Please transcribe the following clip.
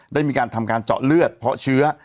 ได้มีการทำการเจาะเลือดเพราะเชื้อ